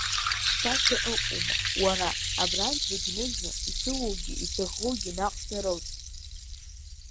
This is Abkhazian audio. Цашьа ыҟоума, уара, абрантә зегь ныжьны, исыуоугьы исаӷоугьы наҟ снарылҵ!